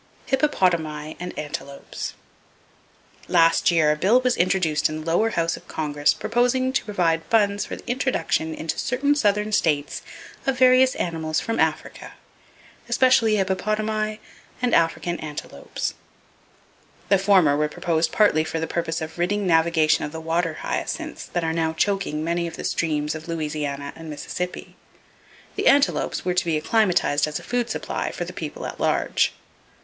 Hippopotami And Antelopes. —Last year a bill was introduced in the lower House of Congress proposing to provide funds for the introduction into certain southern states of various animals from Africa, especially hippopotami and African antelopes. The former were proposed partly for [Page 243] the purpose of ridding navigation of the water hyacinths that now are choking many of the streams of Louisiana and Mississippi. The antelopes were to be acclimatized as a food supply for the people at large.